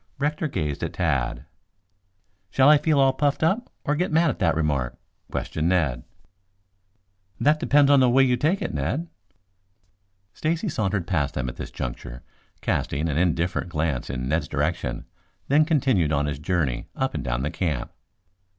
Rector gazed at Tad. "Shall I feel all puffed up or get mad at that remark?" questioned Ned. "That depends upon the way you take it, Ned." Stacy sauntered past them at this juncture casting an indifferent glance in Ned's direction, then continued on his journey up and down the camp.